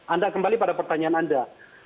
anda kembali pada pertanyaan anda